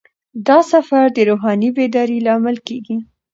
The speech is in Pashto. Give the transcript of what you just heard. دا سفر د روحاني بیدارۍ لامل کیږي.